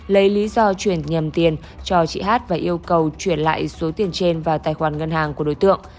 lấy lý do chuyển nhầm tiền cho chị hát và yêu cầu chuyển lại số tiền trên vào tài khoản ngân hàng của đối tượng